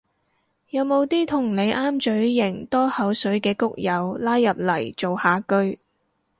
有冇啲同你啱嘴型多口水嘅谷友拉入嚟造下句